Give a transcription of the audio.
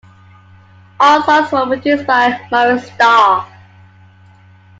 All songs were produced by Maurice Starr.